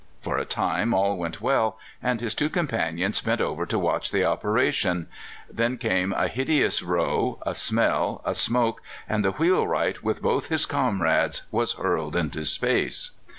For a time all went well, and his two companions bent over to watch the operation; then came a hideous row, a smell, a smoke, and the wheelwright, with both his comrades, was hurled into space.